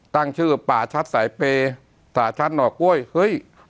ตั้งชื่อป่าชัดสายเปย์สารชัดหน่อกล้วยเฮ้ย